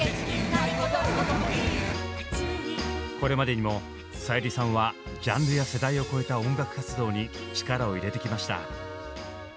これまでにもさゆりさんはジャンルや世代を超えた音楽活動に力を入れてきました。